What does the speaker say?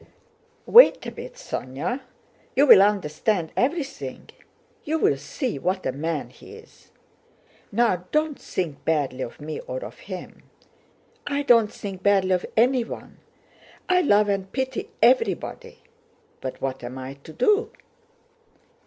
"Wait a bit, Sónya, you'll understand everything. You'll see what a man he is! Now don't think badly of me or of him. I don't think badly of anyone: I love and pity everybody. But what am I to do?"